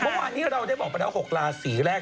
เมื่อวานนี้เราได้บอกไปแล้ว๖ราศีแรก